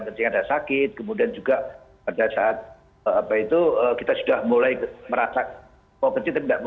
kencing ada sakit kemudian juga pada saat apa itu kita sudah mulai merasa oh kecil tapi tidak mau